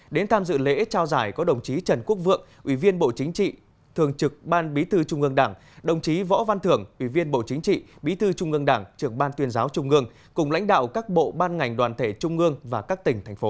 đến tham dự lễ trao giải có đồng chí trần quốc vượng ủy viên bộ chính trị thường trực ban bí thư trung ương đảng đồng chí võ văn thưởng ủy viên bộ chính trị bí thư trung ương đảng trưởng ban tuyên giáo trung ương cùng lãnh đạo các bộ ban ngành đoàn thể trung ương và các tỉnh thành phố